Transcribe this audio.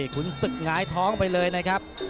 ขุนศึกหงายท้องไปเลยนะครับ